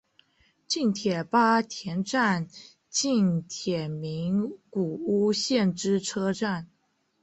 近铁八田站近铁名古屋线之车站。